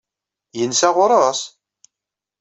Yensa ɣur-s?